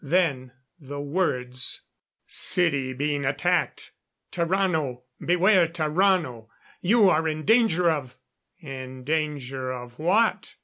Then the words: "City being attacked ... Tarrano, beware Tarrano ... You are in danger of ..." In danger of what?